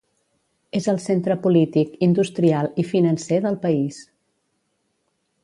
És el centre polític, industrial i financer del país.